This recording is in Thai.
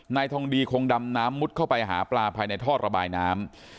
นายทองดีคงดำน้ำมุดเข้าไปหาปลาภายในท่อระบายน้ำ